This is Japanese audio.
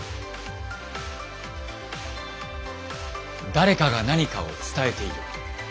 誰かが何かを伝えている。